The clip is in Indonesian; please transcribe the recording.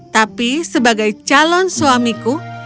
tapi sebagai calon suamiku